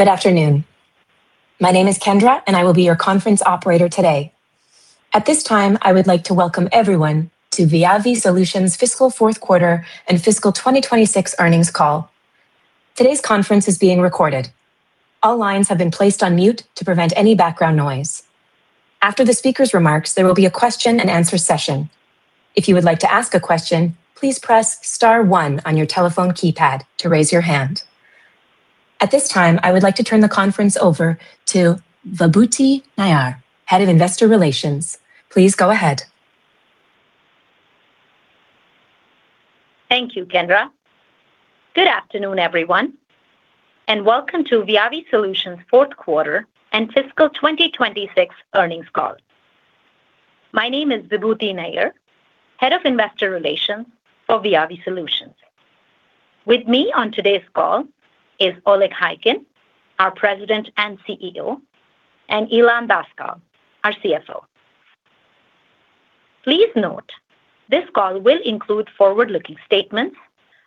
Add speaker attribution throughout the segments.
Speaker 1: Good afternoon. My name is Kendra, and I will be your conference operator today. At this time, I would like to welcome everyone to Viavi Solutions' Fiscal Fourth Quarter and Fiscal 2026 Earnings Call. Today's conference is being recorded. All lines have been placed on mute to prevent any background noise. After the speaker's remarks, there will be a question and answer session. If you would like to ask a question, please press star one on your telephone keypad to raise your hand. At this time, I would like to turn the conference over to Vibhuti Nayar, Head of Investor Relations. Please go ahead.
Speaker 2: Thank you, Kendra. Good afternoon, everyone, and welcome to Viavi Solutions' Fourth Quarter and Fiscal 2026 Earnings Call. My name is Vibhuti Nayar, Head of Investor Relations for Viavi Solutions. With me on today's call is Oleg Khaykin, our President and CEO, and Ilan Daskal, our CFO. Please note, this call will include forward-looking statements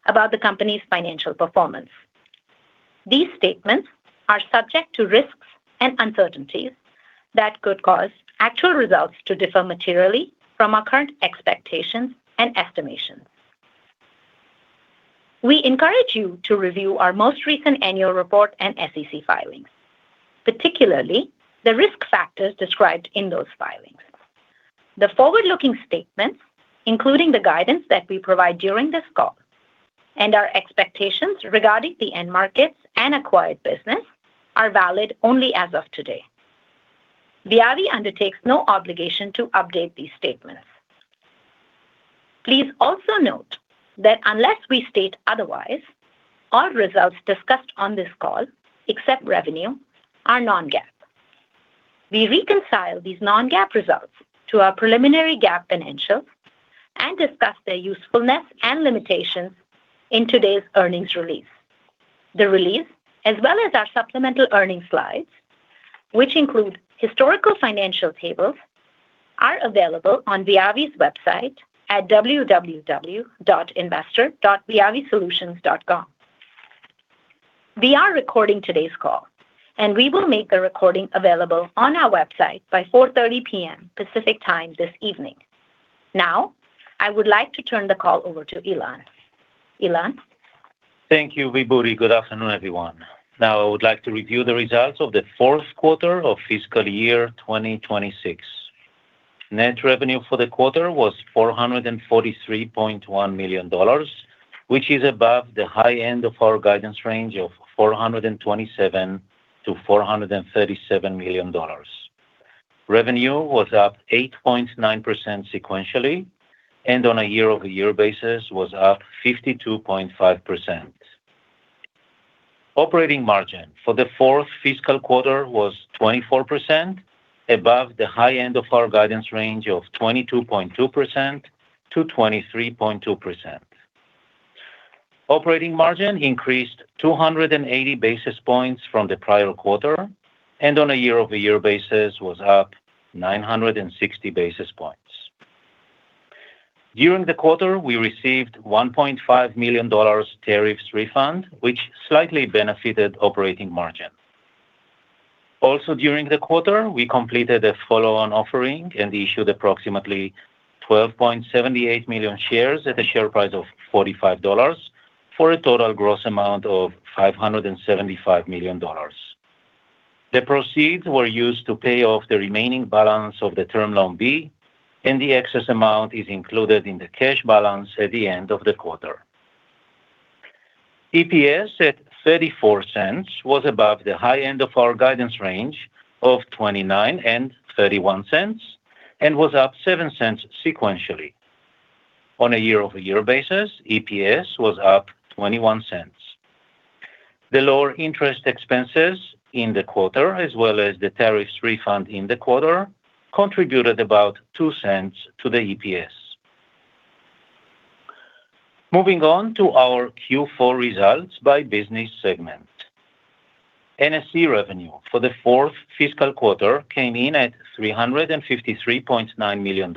Speaker 2: about the company's financial performance. These statements are subject to risks and uncertainties that could cause actual results to differ materially from our current expectations and estimations. We encourage you to review our most recent annual report and SEC filings, particularly the risk factors described in those filings. The forward-looking statements, including the guidance that we provide during this call and our expectations regarding the end markets and acquired business, are valid only as of today. Viavi undertakes no obligation to update these statements. Please also note that unless we state otherwise, all results discussed on this call, except revenue, are non-GAAP. We reconcile these non-GAAP results to our preliminary GAAP financials and discuss their usefulness and limitations in today's earnings release. The release, as well as our supplemental earnings slides, which include historical financial tables, are available on Viavi's website at www.investor.viavisolutions.com. We are recording today's call, and we will make the recording available on our website by 4:30 P.M. Pacific Time this evening. Now, I would like to turn the call over to Ilan. Ilan?
Speaker 3: Thank you, Vibhuti. Good afternoon, everyone. Now, I would like to review the results of the fourth quarter of fiscal year 2026. Net revenue for the quarter was $443.1 million, which is above the high end of our guidance range of $427 million-$437 million. Revenue was up 8.9% sequentially, and on a year-over-year basis was up 52.5%. Operating margin for the fourth fiscal quarter was 24%, above the high end of our guidance range of 22.2%-23.2%. Operating margin increased 280 basis points from the prior quarter, and on a year-over-year basis was up 960 basis points. During the quarter, we received $1.5 million tariffs refund, which slightly benefited operating margin. Also during the quarter, we completed a follow-on offering and issued approximately 12.78 million shares at a share price of $45 for a total gross amount of $575 million. The proceeds were used to pay off the remaining balance of the Term Loan B, and the excess amount is included in the cash balance at the end of the quarter. EPS at $0.34 was above the high end of our guidance range of $0.29 and $0.31 and was up $0.07 sequentially. On a year-over-year basis, EPS was up $0.21. The lower interest expenses in the quarter, as well as the tariffs refund in the quarter, contributed about $0.02 to the EPS. Moving on to our Q4 results by business segment. NSE revenue for the fourth fiscal quarter came in at $353.9 million,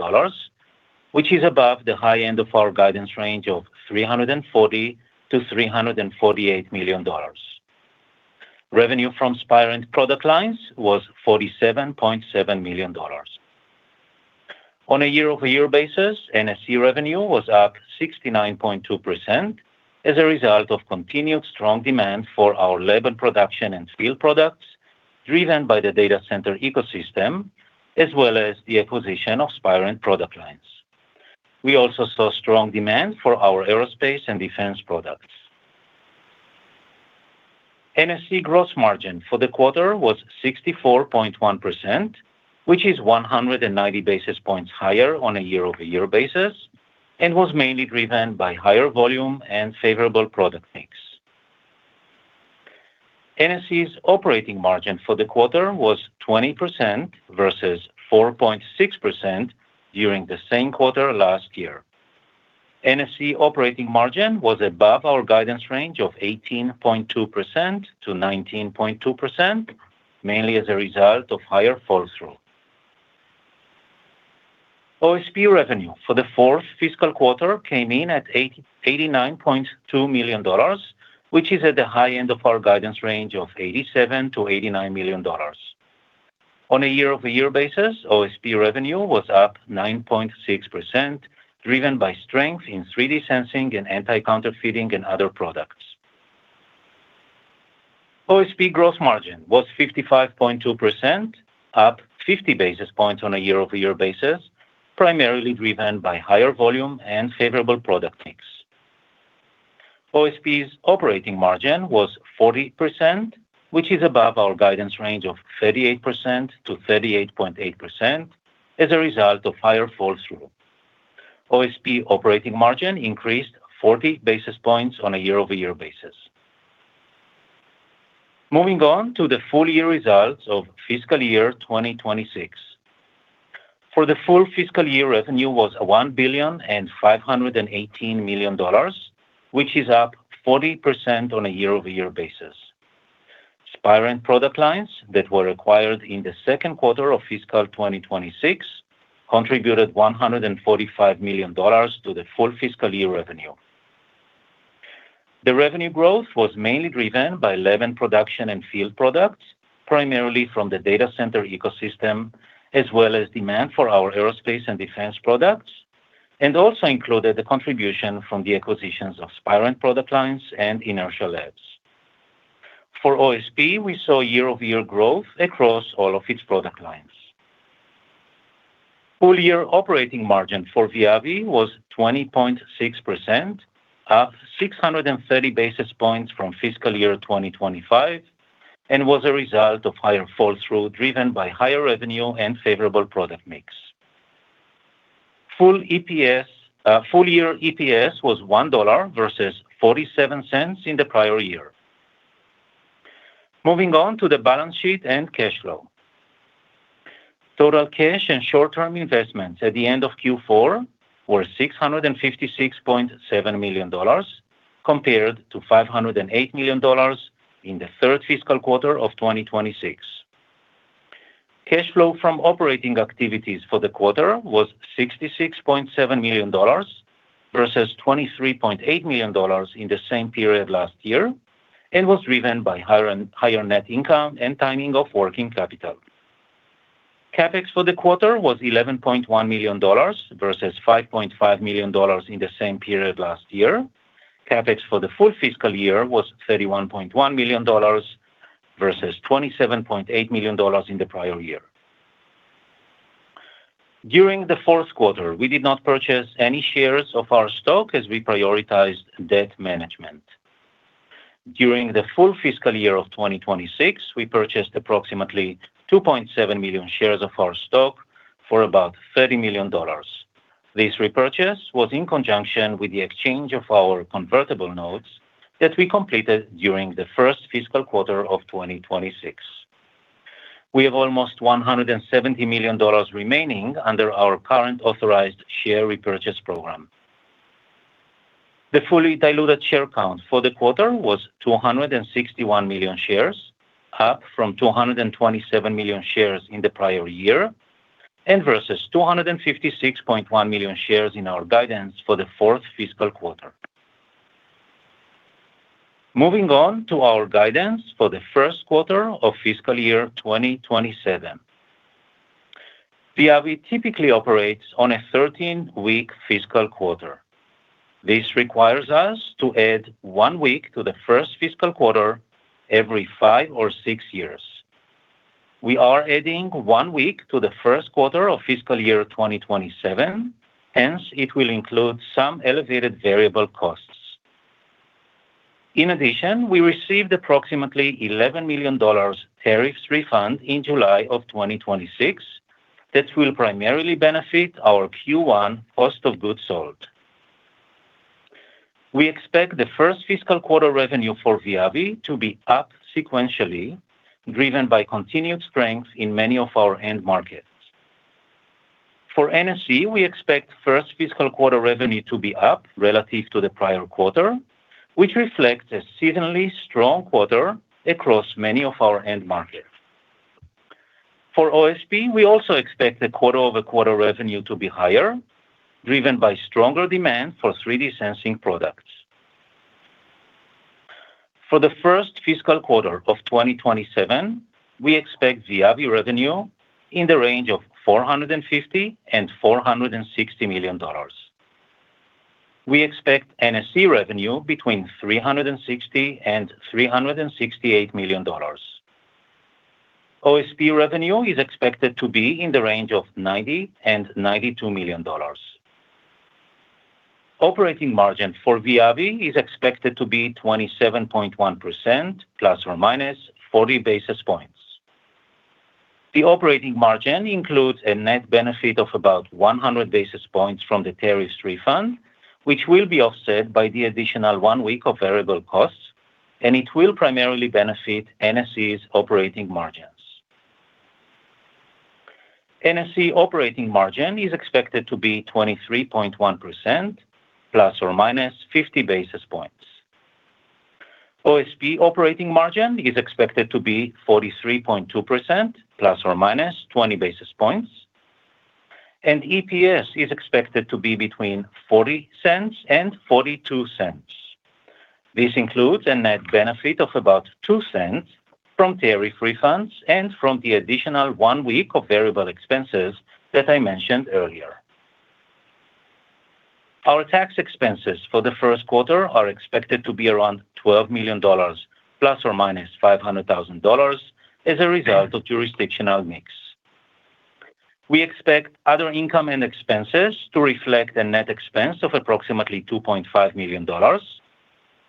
Speaker 3: which is above the high end of our guidance range of $340 million-$348 million. Revenue from Spirent product lines was $47.7 million. On a year-over-year basis, NSE revenue was up 69.2% as a result of continued strong demand for our lab production and field products driven by the data center ecosystem, as well as the acquisition of Spirent product lines. We also saw strong demand for our aerospace and defense products. NSE gross margin for the quarter was 64.1%, which is 190 basis points higher on a year-over-year basis, and was mainly driven by higher volume and favorable product mix. NSE's operating margin for the quarter was 20% versus 4.6% during the same quarter last year. NSE operating margin was above our guidance range of 18.2%-19.2%, mainly as a result of higher fall-through. OSP revenue for the fourth fiscal quarter came in at $89.2 million, which is at the high end of our guidance range of $87 million-$89 million. On a year-over-year basis, OSP revenue was up 9.6%, driven by strength in 3D sensing and anti-counterfeiting and other products. OSP gross margin was 55.2%, up 50 basis points on a year-over-year basis, primarily driven by higher volume and favorable product mix. OSP's operating margin was 40%, which is above our guidance range of 38%-38.8% as a result of higher fall-through. OSP operating margin increased 40 basis points on a year-over-year basis. Moving on to the full year results of fiscal year 2026. For the full fiscal year, revenue was $1.518 billion, which is up 40% on a year-over-year basis. Spirent product lines that were acquired in the second quarter of fiscal 2026 contributed $145 million to the full fiscal year revenue. The revenue growth was mainly driven by lab production and field products, primarily from the data center ecosystem, as well as demand for our aerospace and defense products, and also included the contribution from the acquisitions of Spirent product lines and Inertial Labs. For OSP, we saw year-over-year growth across all of its product lines. Full year operating margin for Viavi was 20.6%, up 630 basis points from fiscal year 2025, and was a result of higher fall-through driven by higher revenue and favorable product mix. Full year EPS was $1 versus $0.47 in the prior year. Moving on to the balance sheet and cash flow. Total cash and short-term investments at the end of Q4 were $656.7 million compared to $508 million in the third fiscal quarter of 2026. Cash flow from operating activities for the quarter was $66.7 million versus $23.8 million in the same period last year and was driven by higher net income and timing of working capital. CapEx for the quarter was $11.1 million versus $5.5 million in the same period last year. CapEx for the full fiscal year was $31.1 million versus $27.8 million in the prior year. During the fourth quarter, we did not purchase any shares of our stock as we prioritized debt management. During the full fiscal year 2026, we purchased approximately 2.7 million shares of our stock for about $30 million. This repurchase was in conjunction with the exchange of our convertible notes that we completed during the first fiscal quarter 2026. We have almost $170 million remaining under our current authorized share repurchase program. The fully diluted share count for the quarter was 261 million shares, up from 227 million shares in the prior year and versus 256.1 million shares in our guidance for the fourth fiscal quarter. Moving on to our guidance for the first quarter of fiscal year 2027. Viavi typically operates on a 13-week fiscal quarter. This requires us to add one week to the first fiscal quarter every five or six years. We are adding one week to the first quarter of fiscal year 2027, hence it will include some elevated variable costs. In addition, we received approximately $11 million tariffs refund in July 2026 that will primarily benefit our Q1 cost of goods sold. We expect the first fiscal quarter revenue for Viavi to be up sequentially, driven by continued strength in many of our end markets. For NSE, we expect first fiscal quarter revenue to be up relative to the prior quarter, which reflects a seasonally strong quarter across many of our end markets. For OSP, we also expect the quarter-over-quarter revenue to be higher, driven by stronger demand for 3D sensing products. For the first fiscal quarter 2027, we expect Viavi revenue in the range of $450 million and $460 million. We expect NSE revenue between $360 million and $368 million. OSP revenue is expected to be in the range of $90 million and $92 million. Operating margin for Viavi is expected to be 27.1% ± 40 basis points. The operating margin includes a net benefit of about 100 basis points from the tariffs refund, which will be offset by the additional one week of variable costs, and it will primarily benefit NSE's operating margins. NSE operating margin is expected to be 23.1% ± 50 basis points. OSP operating margin is expected to be 43.2% ± 20 basis points, and EPS is expected to be between $0.40 and $0.42. This includes a net benefit of about $0.02 from tariff refunds and from the additional one week of variable expenses that I mentioned earlier. Our tax expenses for the first quarter are expected to be around $12 million ± $500,000 as a result of jurisdictional mix. We expect other income and expenses to reflect a net expense of approximately $2.5 million,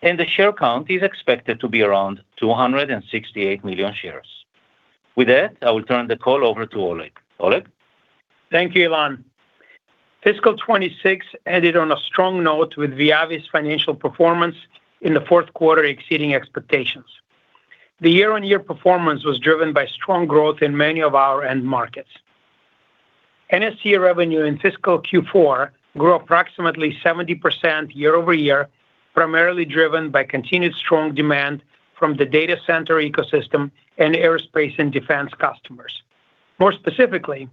Speaker 3: and the share count is expected to be around 268 million shares. With that, I will turn the call over to Oleg. Oleg?
Speaker 4: Thank you, Ilan. Fiscal 2026 ended on a strong note with Viavi's financial performance in the fourth quarter exceeding expectations. The year-over-year performance was driven by strong growth in many of our end markets. NSE revenue in fiscal Q4 grew approximately 70% year-over-year, primarily driven by continued strong demand from the data center ecosystem and aerospace and defense customers. More specifically,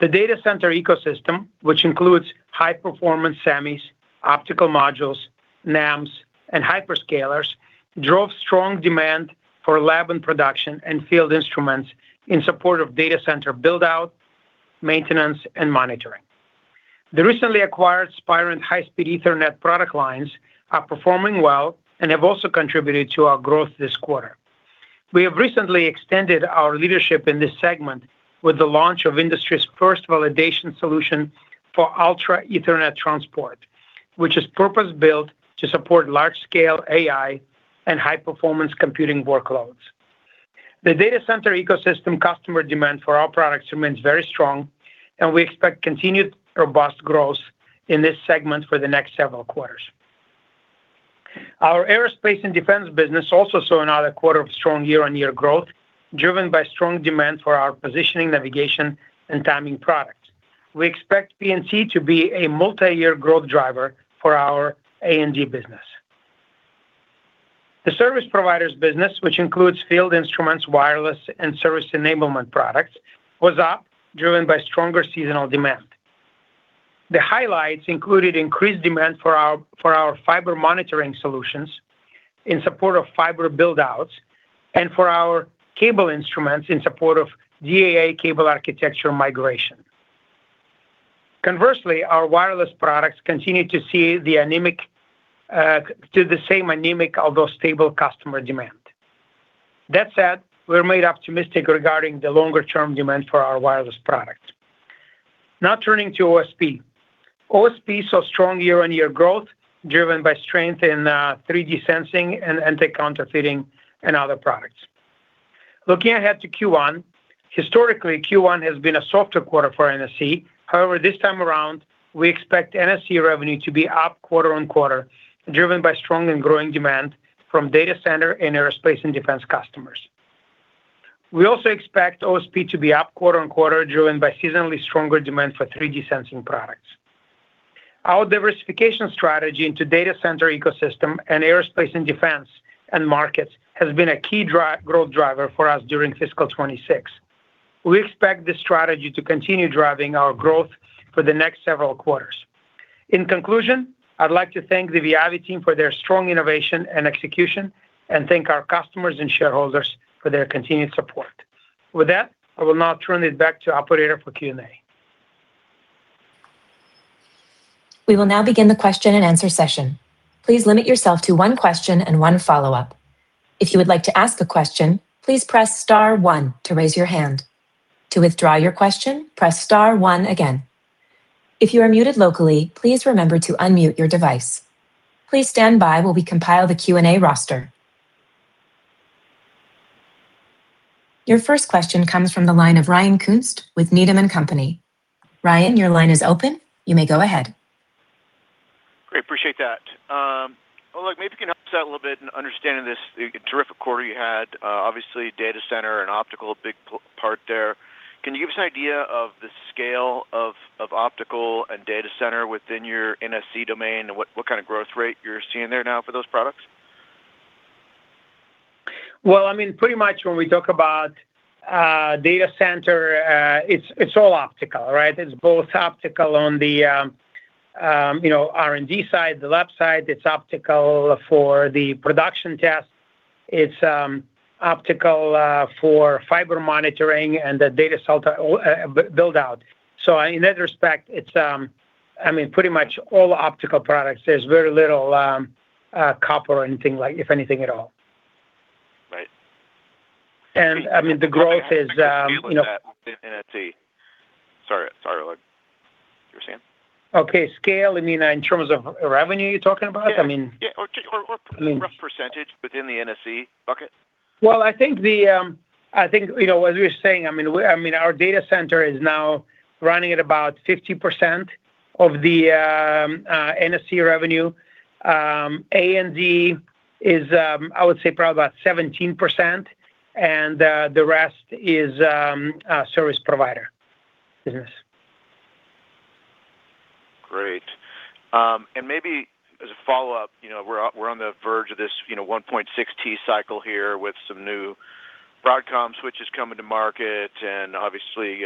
Speaker 4: the data center ecosystem, which includes high-performance semis, optical modules, NEMs, and hyperscalers, drove strong demand for lab and production and field instruments in support of data center build-out, maintenance, and monitoring. The recently acquired Spirent high-speed Ethernet product lines are performing well and have also contributed to our growth this quarter. We have recently extended our leadership in this segment with the launch of the industry's first validation solution for Ultra Ethernet transport, which is purpose-built to support large-scale AI and high-performance computing workloads. The data center ecosystem customer demand for our products remains very strong. We expect continued robust growth in this segment for the next several quarters. Our aerospace and defense business also saw another quarter of strong year-over-year growth, driven by strong demand for our positioning, navigation, and timing products. We expect PNT to be a multi-year growth driver for our A&D business. The service providers business, which includes field instruments, wireless, and service enablement products, was up, driven by stronger seasonal demand. The highlights included increased demand for our fiber monitoring solutions in support of fiber build-outs and for our cable instruments in support of DAA cable architecture migration. Conversely, our wireless products continue to see the same anemic, although stable, customer demand. That said, we remain optimistic regarding the longer-term demand for our wireless products. Now turning to OSP. OSP saw strong year-over-year growth, driven by strength in 3D sensing and anti-counterfeiting and other products. Looking ahead to Q1, Historically, Q1 has been a softer quarter for NSE. However, this time around, we expect NSE revenue to be up quarter-over-quarter, driven by strong and growing demand from data center and aerospace and defense customers. We also expect OSP to be up quarter-over-quarter, driven by seasonally stronger demand for 3D sensing products. Our diversification strategy into data center ecosystem and aerospace and defense end markets has been a key growth driver for us during fiscal 2026. We expect this strategy to continue driving our growth for the next several quarters. In conclusion, I'd like to thank the Viavi team for their strong innovation and execution and thank our customers and shareholders for their continued support. With that, I will now turn it back to operator for Q&A.
Speaker 1: We will now begin the question-and-answer session. Please limit yourself to one question and one follow-up. If you would like to ask a question, please press star one to raise your hand. To withdraw your question, press star one again. If you are muted locally, please remember to unmute your device. Please stand by while we compile the Q&A roster. Your first question comes from the line of Ryan Koontz with Needham & Company. Ryan, your line is open. You may go ahead.
Speaker 5: Great. Appreciate that. Oleg, maybe you can help us out a little bit in understanding this terrific quarter you had. Obviously, data center and optical, a big part there. Can you give us an idea of the scale of optical and data center within your NSE domain, and what kind of growth rate you're seeing there now for those products?
Speaker 4: Well, pretty much when we talk about data center, it's all optical, right? It's both optical on the R&D side, the lab side. It's optical for the production test. It's optical for fiber monitoring and the data center build-out. In that respect, pretty much all optical products. There's very little copper or anything, if anything at all.
Speaker 5: Right.
Speaker 4: The growth is-
Speaker 5: NSE. Sorry, Oleg. You were saying?
Speaker 4: Okay, scale, in terms of revenue, you're talking about?
Speaker 5: Just rough percentage within the NSE bucket.
Speaker 4: Well, I think, as we were saying, our data center is now running at about 50% of the NSE revenue. A&D is, I would say, probably about 17%, the rest is our service provider business.
Speaker 5: Maybe as a follow-up, we're on the verge of this 1.6T cycle here with some new Broadcom switches coming to market, and obviously.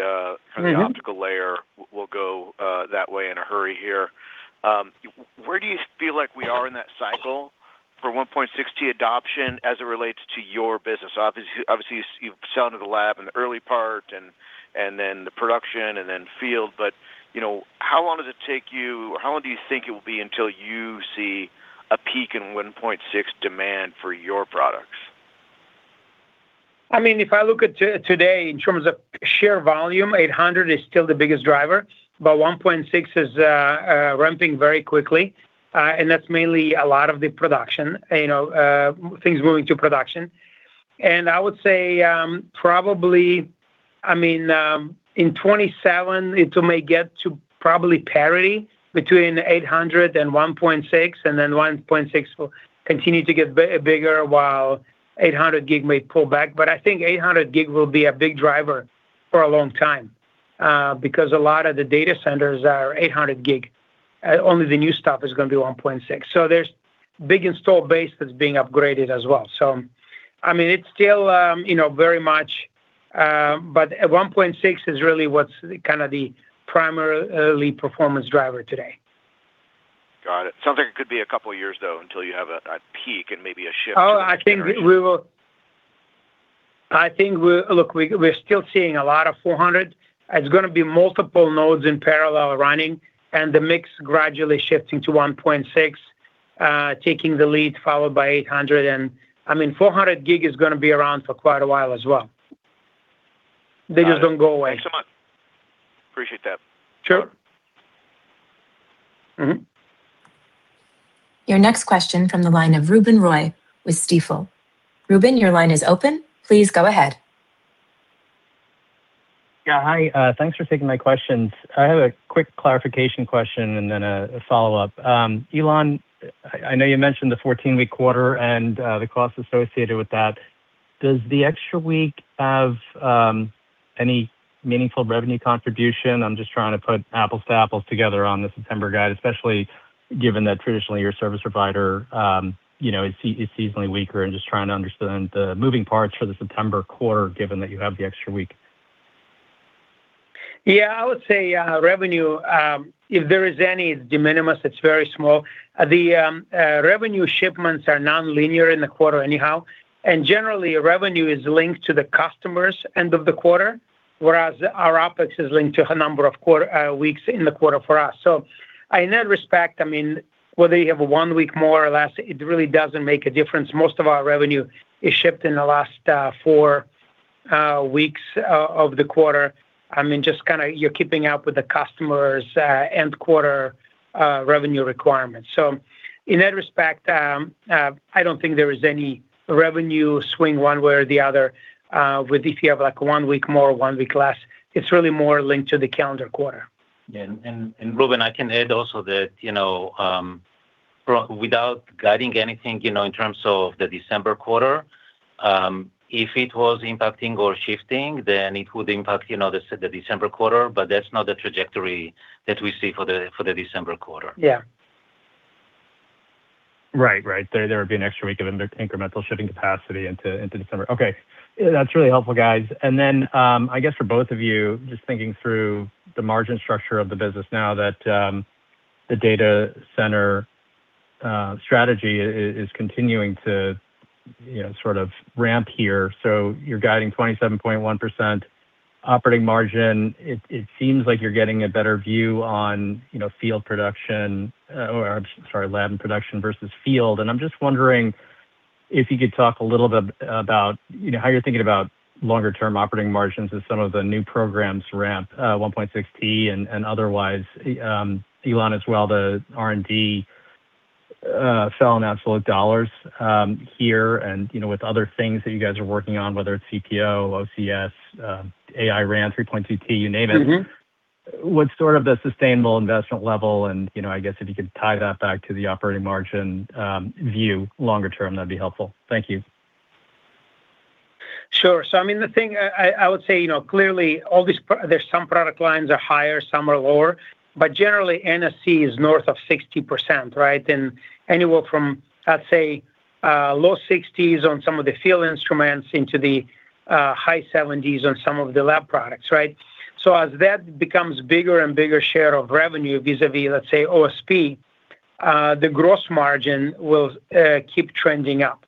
Speaker 5: The optical layer will go that way in a hurry here. Where do you feel like we are in that cycle for 1.6 adoption as it relates to your business? Obviously, you've sold to the lab in the early part, and then the production, and then field, but how long does it take you, or how long do you think it will be until you see a peak in 1.6 demand for your products?
Speaker 4: If I look at today in terms of sheer volume, 800G is still the biggest driver, but 1.6 is ramping very quickly, and that's mainly a lot of the production, things moving to production. I would say probably, in 2027, it may get to probably parity between 800G and 1.6, and then 1.6 will continue to get bigger while 800G gig may pull back. I think 800G gig will be a big driver for a long time, because a lot of the data centers are 800G gig. Only the new stuff is going to be 1.6. There's a big install base that's being upgraded as well. It's still very much, but 1.6 is really what's the primary lead performance driver today.
Speaker 5: Got it. Sounds like it could be a couple of years, though, until you have a peak and maybe a shift.
Speaker 4: Oh, I think we will. Look, we're still seeing a lot of 400G. It's going to be multiple nodes in parallel running, and the mix gradually shifting to 1.6, taking the lead, followed by 800G, and 400G is going to be around for quite a while as well. They just don't go away.
Speaker 5: Thanks so much. Appreciate that.
Speaker 4: Sure. Mm-hmm.
Speaker 1: Your next question from the line of Ruben Roy with Stifel. Ruben, your line is open. Please go ahead.
Speaker 6: Hi. Thanks for taking my questions. I have a quick clarification question and then a follow-up. Ilan, I know you mentioned the 14-week quarter and the costs associated with that. Does the extra week have any meaningful revenue contribution? I'm just trying to put apples to apples together on the September guide, especially given that traditionally your service provider is seasonally weaker and just trying to understand the moving parts for the September quarter, given that you have the extra week.
Speaker 4: I would say revenue, if there is any, it's de minimis, it's very small. The revenue shipments are non-linear in the quarter anyhow, and generally, revenue is linked to the customer's end of the quarter, whereas our OpEx is linked to a number of weeks in the quarter for us. In that respect, whether you have one week more or less, it really doesn't make a difference. Most of our revenue is shipped in the last four weeks of the quarter. You're keeping up with the customer's end-quarter revenue requirements. In that respect, I don't think there is any revenue swing one way or the other with if you have one week more, one week less. It's really more linked to the calendar quarter.
Speaker 3: Ruben, I can add also that without guiding anything in terms of the December quarter, if it was impacting or shifting, then it would impact the December quarter, but that's not the trajectory that we see for the December quarter.
Speaker 4: Yeah.
Speaker 6: Right. There would be an extra week of incremental shipping capacity into December. Okay. That's really helpful, guys. Then, I guess for both of you, just thinking through the margin structure of the business now that the data center strategy is continuing to sort of ramp here. You're guiding 27.1% operating margin. It seems like you're getting a better view on lab production, or sorry, lab production versus field. And I'm just wondering if you could talk a little bit about how you're thinking about longer-term operating margins as some of the new programs ramp, 1.6T and otherwise. Ilan as well, the R&D fell in absolute dollars here, and with other things that you guys are working on, whether it's CPO, OCS, AI RAN, 3.2T, you name it. What's the sustainable investment level and, I guess if you could tie that back to the operating margin view longer term, that'd be helpful. Thank you.
Speaker 4: Sure. The thing I would say, clearly, some product lines are higher, some are lower, but generally, NSE is north of 60%, right? Anywhere from, I'd say, low 60s on some of the field instruments into the high 70s on some of the lab products, right? As that becomes bigger and bigger share of revenue vis-a-vis, let's say, OSP, the gross margin will keep trending up.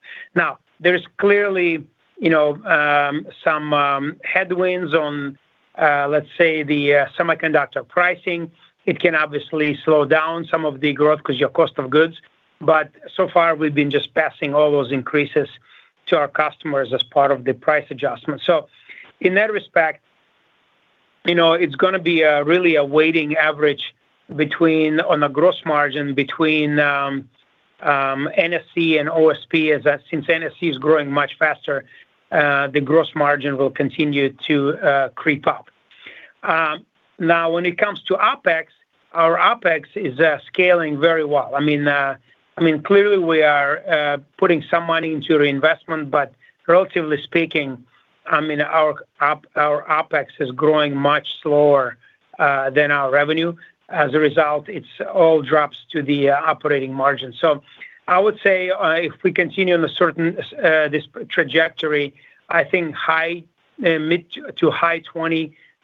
Speaker 4: There's clearly some headwinds on, let's say, the semiconductor pricing. It can obviously slow down some of the growth because your cost of goods, but so far we've been just passing all those increases to our customers as part of the price adjustment. In that respect, it's going to be really a weighting average on the gross margin between NSE and OSP, as since NSE is growing much faster the gross margin will continue to creep up. When it comes to OpEx, our OpEx is scaling very well. Clearly we are putting some money into reinvestment, but relatively speaking I mean, our OpEx is growing much slower than our revenue. As a result, it all drops to the operating margin. I would say if we continue on this trajectory, I think mid to high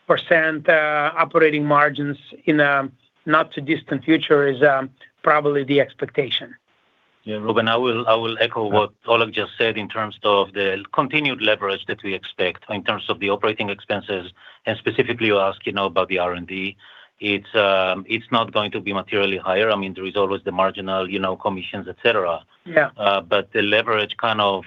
Speaker 4: 20% operating margins in a not too distant future is probably the expectation.
Speaker 3: Yeah, Ruben, I will echo what Oleg just said in terms of the continued leverage that we expect in terms of the operating expenses, and specifically you ask about the R&D. It's not going to be materially higher. I mean, there is always the marginal commissions, et cetera.
Speaker 4: Yeah.
Speaker 3: The leverage kind of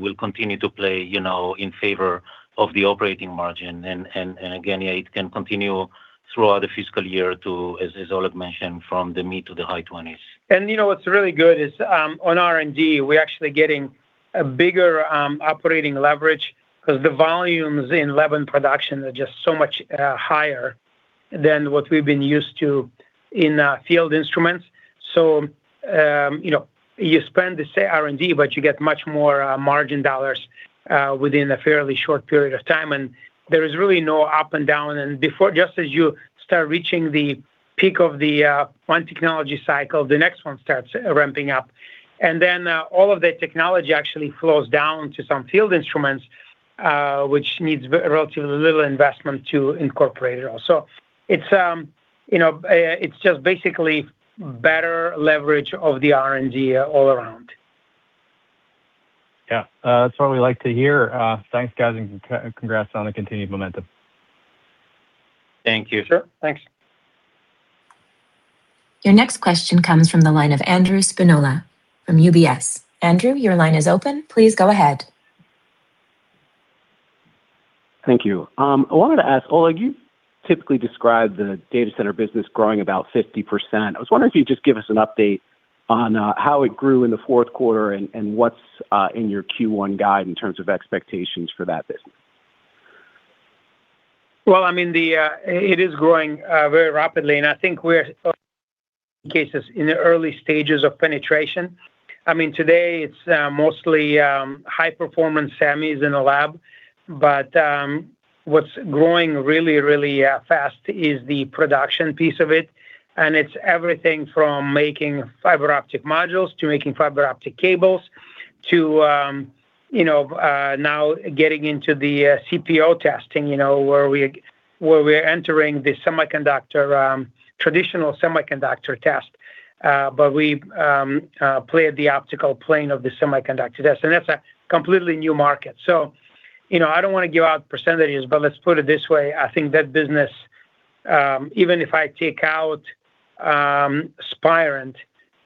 Speaker 3: will continue to play in favor of the operating margin. Again, yeah, it can continue throughout the fiscal year to, as Oleg mentioned, from the mid to the high 20s.
Speaker 4: You know what's really good is, on R&D, we're actually getting a bigger operating leverage because the volumes in lab production are just so much higher than what we've been used to in field instruments. You spend the same R&D, but you get much more margin dollars within a fairly short period of time, and there is really no up and down. Before, just as you start reaching the peak of the one technology cycle, the next one starts ramping up. Then all of the technology actually flows down to some field instruments, which needs relatively little investment to incorporate it all. It's just basically better leverage of the R&D all around.
Speaker 6: Yeah. That's what we like to hear. Thanks, guys, and congrats on the continued momentum.
Speaker 3: Thank you.
Speaker 4: Sure. Thanks.
Speaker 1: Your next question comes from the line of Andrew Spinola from UBS. Andrew, your line is open. Please go ahead.
Speaker 7: Thank you. I wanted to ask, Oleg, you typically describe the data center business growing about 50%. I was wondering if you'd just give us an update on how it grew in the fourth quarter and what's in your Q1 guide in terms of expectations for that business.
Speaker 4: Well, it is growing very rapidly, and I think we're, in cases, in the early stages of penetration. I mean, today it's mostly high performance semis in the lab. What's growing really, really fast is the production piece of it, and it's everything from making fiber optic modules to making fiber optic cables to now getting into the CPO testing, where we're entering the traditional semiconductor test. We play the optical plane of the semiconductor test, and that's a completely new market. I don't want to give out percentages, but let's put it this way: I think that business, even if I take out Spirent,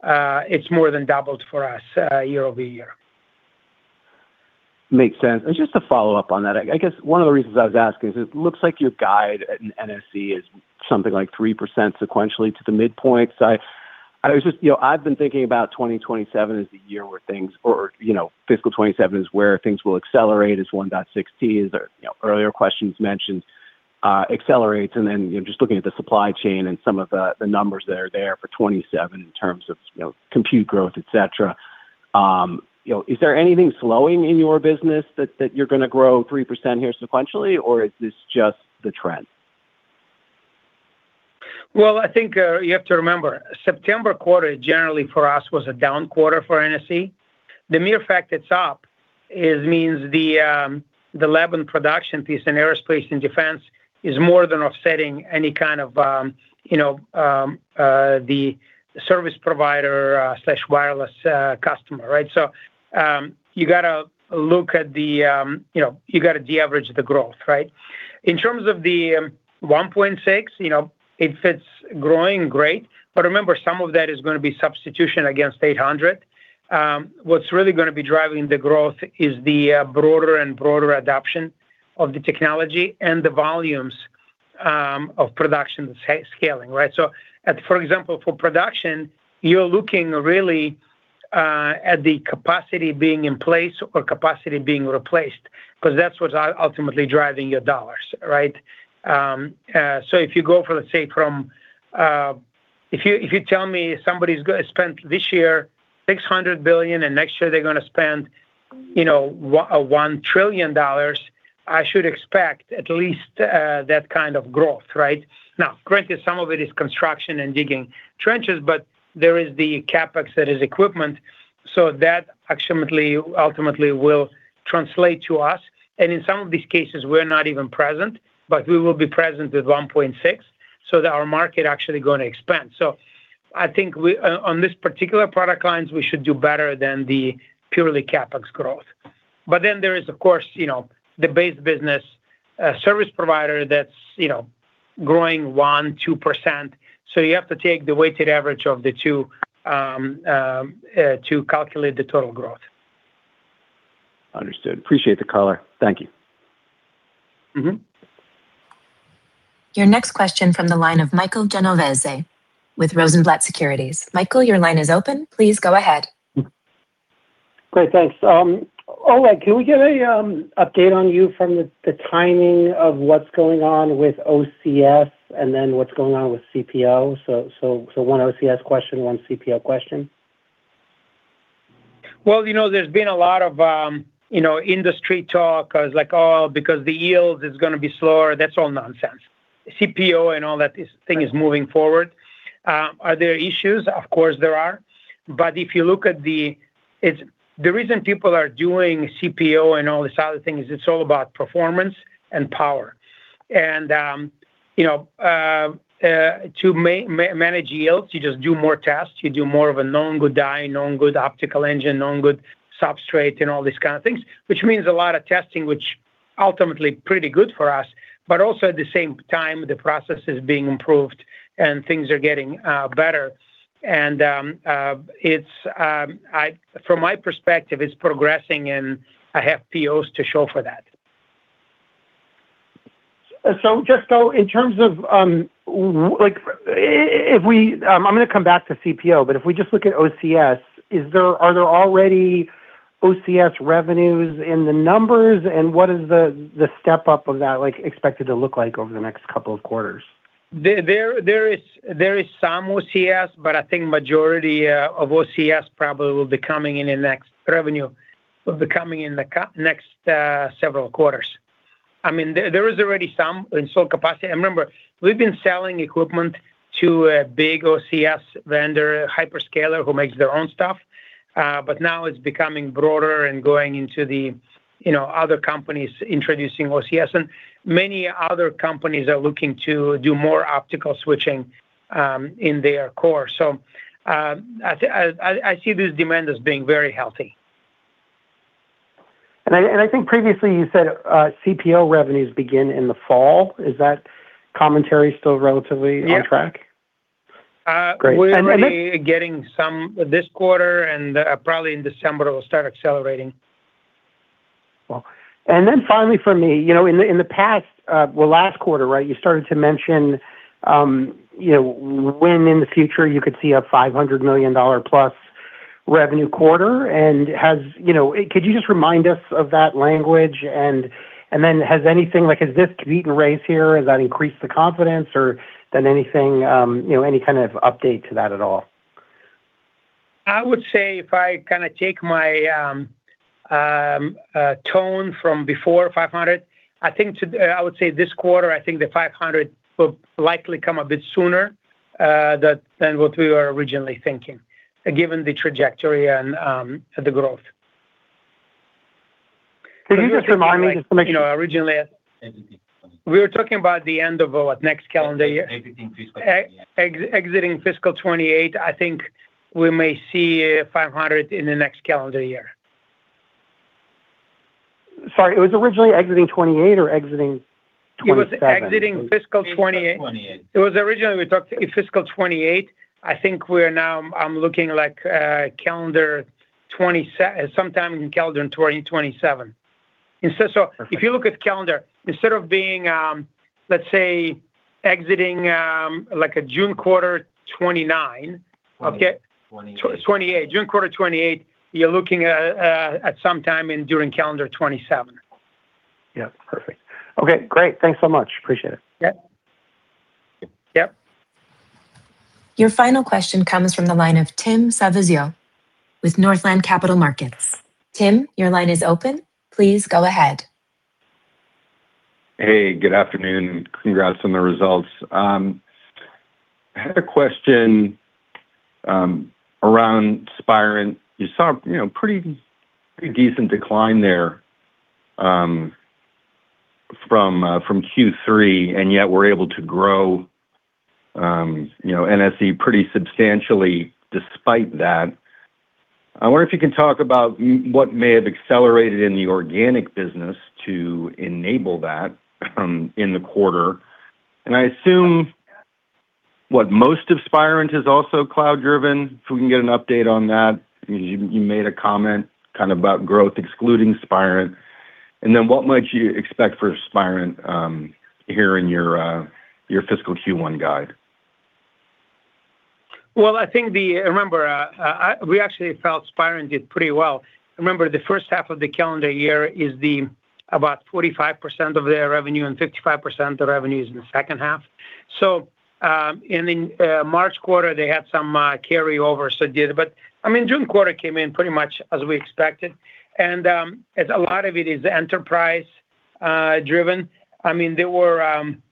Speaker 4: it's more than doubled for us year-over-year.
Speaker 7: Makes sense. Just to follow up on that, I guess one of the reasons I was asking is it looks like your guide at NSE is something like 3% sequentially to the midpoint. I've been thinking about 2027 as the year where things or fiscal 2027 is where things will accelerate as 1.6T, as earlier questions mentioned, accelerates and then just looking at the supply chain and some of the numbers that are there for 2027 in terms of compute growth, et cetera. Is there anything slowing in your business that you're going to grow 3% here sequentially, or is this just the trend?
Speaker 4: I think you have to remember, September quarter generally for us was a down quarter for NSE. The mere fact it's up means the lab and production piece in aerospace and defense is more than offsetting any kind of the service provider/wireless customer, right? You got to de-average the growth, right? In terms of the 1.6, if it's growing, great, but remember, some of that is going to be substitution against 800G. What's really going to be driving the growth is the broader and broader adoption of the technology and the volumes of production scaling, right? For example, for production, you're looking really at the capacity being in place or capacity being replaced, because that's what's ultimately driving your dollars, right? If you tell me somebody's spent this year $600 billion and next year they're going to spend $1 trillion, I should expect at least that kind of growth, right? Granted, some of it is construction and digging trenches, but there is the CapEx that is equipment. That ultimately will translate to us. In some of these cases, we're not even present, but we will be present with 1.6, so that our market actually going to expand. I think on this particular product lines, we should do better than the purely CapEx growth. There is, of course, the base business service provider that's growing 1%, 2%. You have to take the weighted average of the two to calculate the total growth.
Speaker 7: Understood. Appreciate the color. Thank you.
Speaker 1: Your next question from the line of Michael Genovese with Rosenblatt Securities. Michael, your line is open. Please go ahead.
Speaker 8: Great, thanks. Oleg, can we get an update on you from the timing of what's going on with OCS and then what's going on with CPO? One OCS question, one CPO question.
Speaker 4: Well, there's been a lot of industry talk, like, "Oh, because the yield is going to be slower." That's all nonsense. CPO and all that thing is moving forward. Are there issues? Of course there are. The reason people are doing CPO and all this other things, it's all about performance and power. To manage yields, you just do more tests. You do more of a known good die, known good optical engine, known good substrate, and all these kind of things. Which means a lot of testing, which ultimately pretty good for us, but also at the same time, the process is being improved and things are getting better. From my perspective, it's progressing, and I have POs to show for that.
Speaker 8: Just in terms of, I'm going to come back to CPO, but if we just look at OCS, are there already OCS revenues in the numbers, and what is the step-up of that expected to look like over the next couple of quarters?
Speaker 4: There is some OCS, I think majority of OCS probably will be coming in the next revenue, will be coming in the next several quarters. There is already some in sole capacity. Remember, we've been selling equipment to a big OCS vendor, hyperscaler, who makes their own stuff. Now it's becoming broader and going into the other companies introducing OCS, many other companies are looking to do more optical switching in their core. I see this demand as being very healthy.
Speaker 8: I think previously you said CPO revenues begin in the fall. Is that commentary still relatively on track?
Speaker 4: Yes.
Speaker 8: Great.
Speaker 4: We're already getting some this quarter, and probably in December it will start accelerating.
Speaker 8: Finally from me, in the past, last quarter, you started to mention when in the future you could see a $500 million-plus revenue quarter. Could you just remind us of that language, has this beaten pace here, has that increased the confidence or done any kind of update to that at all?
Speaker 4: I would say if I take my tone from before $500 million, I would say this quarter, I think the $500 million will likely come a bit sooner than what we were originally thinking, given the trajectory and the growth.
Speaker 8: Could you just remind me just to make sure.
Speaker 4: Exiting fiscal 2028 we were talking about the end of next calendar year? Exiting fiscal 2028. Exiting fiscal 2028, I think we may see $500 million in the next calendar year.
Speaker 8: Sorry, it was originally exiting 2028 or exiting 2027?
Speaker 4: It was exiting fiscal 2028. Fiscal 2028. It was originally we talked fiscal 2028. I think we're now, I'm looking like sometime in calendar 2027.
Speaker 8: Perfect.
Speaker 4: If you look at calendar, instead of being, let's say exiting like a June quarter 2029. 2028, June quarter 2028, you're looking at sometime during calendar 2027.
Speaker 8: Yep, perfect. Okay, great. Thanks so much. Appreciate it.
Speaker 4: Yep. Yep. Yep.
Speaker 1: Your final question comes from the line of Tim Savageaux with Northland Capital Markets. Tim, your line is open. Please go ahead.
Speaker 9: Hey, good afternoon. Congrats on the results. I had a question around Spirent. You saw a pretty decent decline there from Q3, yet were able to grow NSE pretty substantially despite that. I wonder if you can talk about what may have accelerated in the organic business to enable that in the quarter. I assume what most of Spirent is also cloud driven. If we can get an update on that. You made a comment about growth excluding Spirent. What might you expect for Spirent here in your fiscal Q1 guide?
Speaker 4: Well, remember we actually felt Spirent did pretty well. Remember, the first half of the calendar year is about 45% of their revenue, and 55% of revenue is in the second half. In the March quarter, they had some carry over, so did. June quarter came in pretty much as we expected. A lot of it is enterprise driven. I know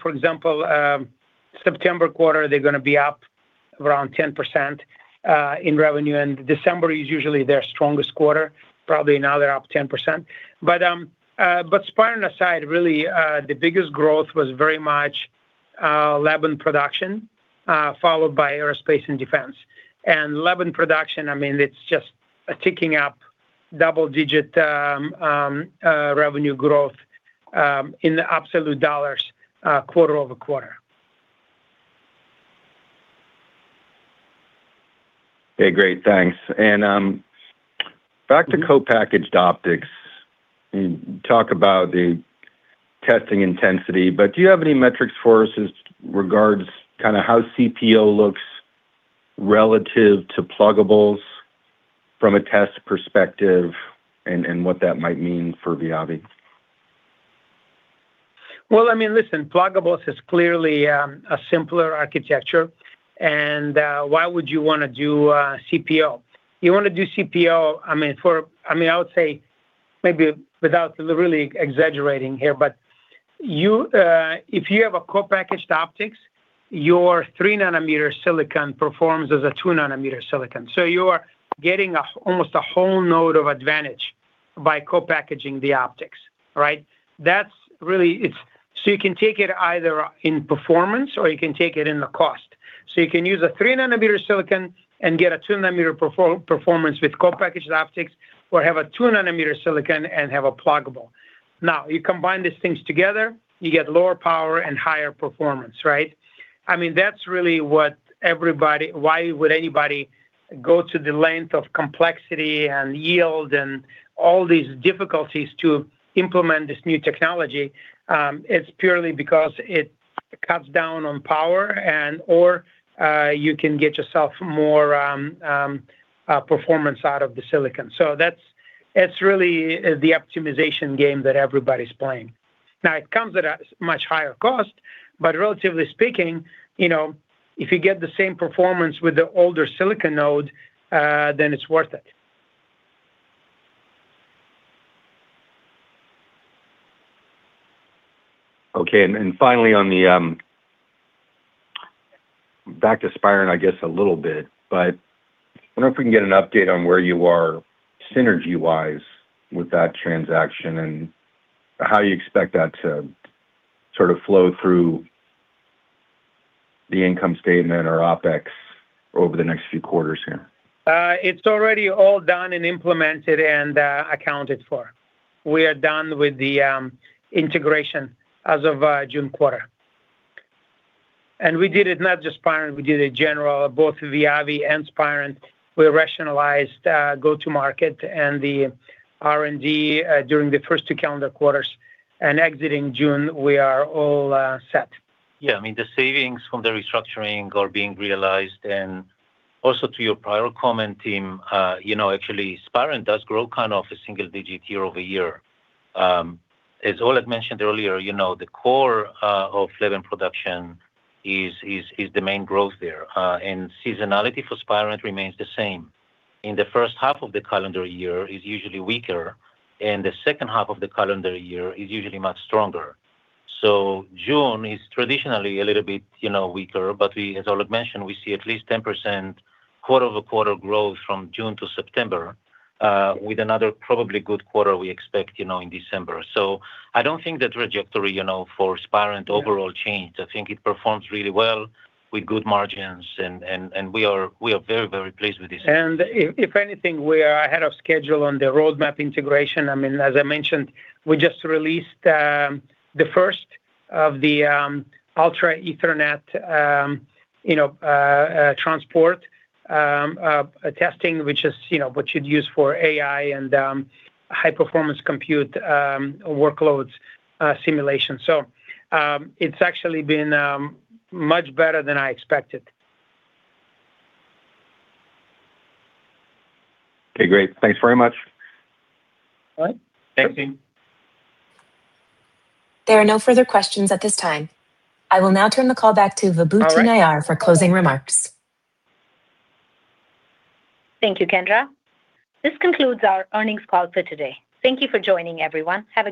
Speaker 4: for example September quarter, they're going to be up around 10% in revenue, and December is usually their strongest quarter. Probably now they're up 10%. Spirent aside, really, the biggest growth was very much lab and production, followed by aerospace and defense. Lab and production, it's just ticking up double digit revenue growth, in the absolute dollars quarter-over-quarter.
Speaker 9: Okay, great. Thanks. Back to co-packaged optics. You talk about the testing intensity, but do you have any metrics for us as regards how CPO looks relative to pluggables from a test perspective, and what that might mean for Viavi?
Speaker 4: Well, listen, pluggables is clearly a simpler architecture, and why would you want to do a CPO? You want to do CPO, I would say maybe without really exaggerating here, but if you have a co-packaged optics, your three nanometer silicon performs as a two nanometer silicon. You are getting almost a whole node of advantage by co-packaging the optics, right? You can take it either in performance or you can take it in the cost. You can use a three nanometer silicon and get a two nanometer performance with co-packaged optics, or have a two nanometer silicon and have a pluggable. Now, you combine these things together, you get lower power and higher performance, right? That's really why would anybody go to the length of complexity and yield and all these difficulties to implement this new technology. It's purely because it cuts down on power and/or you can get yourself more performance out of the silicon. That's really the optimization game that everybody's playing. Now, it comes at a much higher cost, but relatively speaking, if you get the same performance with the older silicon node, then it's worth it.
Speaker 9: Okay, finally back to Spirent, I guess a little bit, but I wonder if we can get an update on where you are synergy-wise with that transaction and how you expect that to sort of flow through the income statement or OpEx over the next few quarters here.
Speaker 4: It's already all done and implemented and accounted for. We are done with the integration as of June quarter. We did it not just Spirent, we did it general, both Viavi and Spirent. We rationalized go-to-market and the R&D during the first two calendar quarters, and exiting June, we are all set.
Speaker 3: Yeah, the savings from the restructuring are being realized, and also to your prior comment, Tim, actually Spirent does grow kind of a single-digit year-over-year. As Ulad mentioned earlier, the core of lab production is the main growth there. Seasonality for Spirent remains the same. The first half of the calendar year is usually weaker, and the second half of the calendar year is usually much stronger. June is traditionally a little bit weaker, but as Ulad mentioned, we see at least 10% quarter-over-quarter growth from June to September, with another probably good quarter we expect in December. I don't think that trajectory for Spirent overall changed. It performs really well with good margins, and we are very, very pleased with this.
Speaker 4: If anything, we are ahead of schedule on the roadmap integration. As I mentioned, we just released the first of the Ultra Ethernet Transport testing, which is what you'd use for AI and high-performance compute workloads simulation. It's actually been much better than I expected.
Speaker 9: Okay, great. Thanks very much.
Speaker 4: All right.
Speaker 3: Thanks, Tim.
Speaker 1: There are no further questions at this time. I will now turn the call back to Vibhuti Nayar for closing remarks.
Speaker 2: Thank you, Kendra. This concludes our earnings call for today. Thank you for joining, everyone.